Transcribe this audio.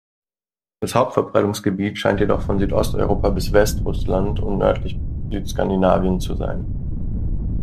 Das Hauptverbreitungsgebiet scheint jedoch von Südosteuropa bis Westrussland und nördlich bis Südskandinavien zu sein.